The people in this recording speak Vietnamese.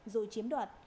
rồi chiếm đoạt